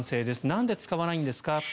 なんで使わないんですか？